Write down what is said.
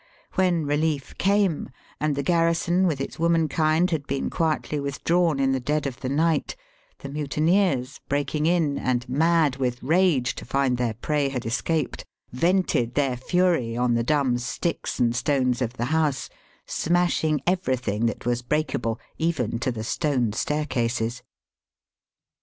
When relief came, and the garrison with its womenkind had been quietly withdrawn in the dead of the night, the mutineers, breaking in, and mad with rage to find their prey had escaped, vented their fury on the dumb sticks and stones of the house, smashing everything that was breakable even to the stone staircases.